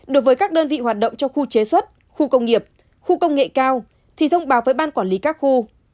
đối với các đơn vị hoạt động trong khu chế xuất khu công nghiệp khu công nghệ cao thì thông báo với ban quản lý các khu